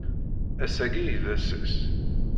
Ass-agi i d ass-is.